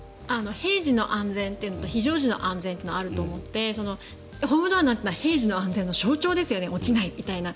平時の安全というのと非常時の安全というのがあると思ってホームドアなんて言うのは平時の安全の象徴ですよね落ちないみたいな。